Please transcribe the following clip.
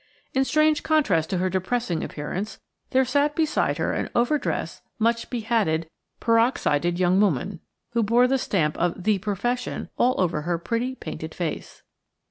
In strange contrast to her depressing appearance, there sat beside her an over dressed, much behatted, peroxided young woman, who bore the stamp of the profession all over her pretty, painted face.